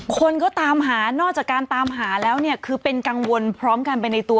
คนก็ตามหานอกจากการตามหาแล้วเนี่ยคือเป็นกังวลพร้อมกันไปในตัว